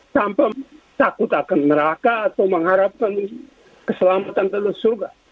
tanpa takut akan neraka atau mengharapkan keselamatan telusur